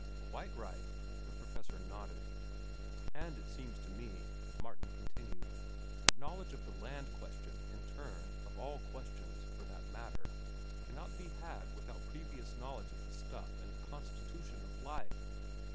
"Quite right," the professor nodded. "And it seems to me," Martin continued, "that knowledge of the land question, in turn, of all questions, for that matter, cannot be had without previous knowledge of the stuff and the constitution of life.